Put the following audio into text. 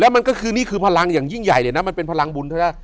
มันก็คือนี่คือพลังอย่างยิ่งใหญ่เลยนะมันเป็นพลังบุญเท่านั้น